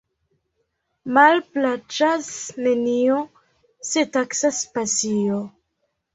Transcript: Malplaĉas nenio, se taksas pasio.